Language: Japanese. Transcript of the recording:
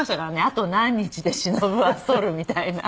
あと何日でしのぶは剃るみたいな。